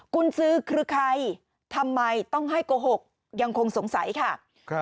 คุณซื้อคือใครทำไมต้องให้โกหกยังคงสงสัยค่ะ